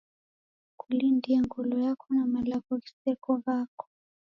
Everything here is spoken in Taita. Kulindie ngolo yako na malagho ghiseko ghako.